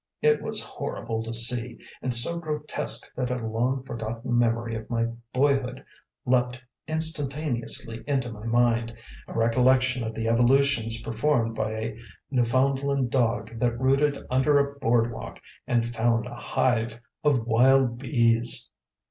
It was horrible to see, and so grotesque that a long forgotten memory of my boyhood leaped instantaneously into my mind, a recollection of the evolutions performed by a Newfoundland dog that rooted under a board walk and found a hive of wild bees.